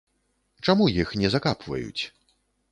Чаму іх не закапваюць?